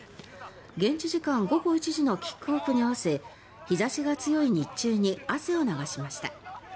現地時間午後１時のキックオフに合わせ日差しが強い日中に汗を流しました。